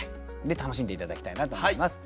楽しんで頂きたいなと思います。